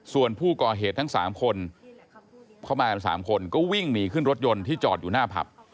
ส่วนผู้ก่อเหตุทั้ง๓คนเข้ามากัน๓คนก็วิ่งหนีขึ้นรถยนต์ที่จอดอยู่หน้าผับ